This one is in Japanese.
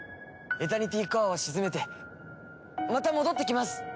エタニティコアを鎮めてまた戻ってきます！